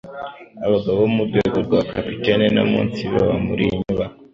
Abagabo bo mu rwego rwa capitaine no munsi baba muri iyi nyubako